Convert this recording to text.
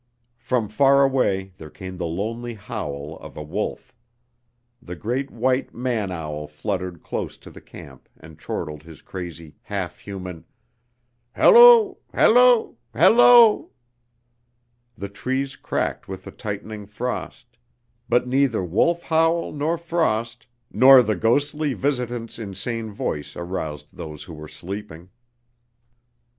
From far away there came the lonely howl of a wolf; a great white man owl fluttered close to the camp and chortled his crazy, half human "hello, hello, hello;" the trees cracked with the tightening frost, but neither wolf howl nor frost nor the ghostly visitant's insane voice aroused those who were sleeping.